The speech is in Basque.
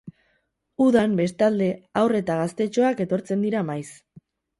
Udan, bestalde, haur eta gaztetxoak etortzen dira maiz.